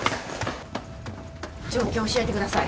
状況を教えてください。